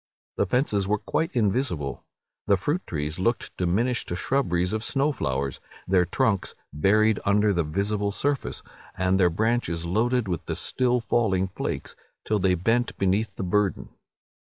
The fences were quite invisible. The fruit trees looked diminished to shrubberies of snow flowers, their trunks buried under the visible surface, and their branches loaded with the still falling flakes, till they bent beneath the burden.